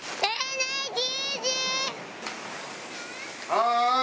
はい！